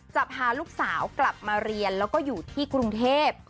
พาลูกสาวกลับมาเรียนแล้วก็อยู่ที่กรุงเทพ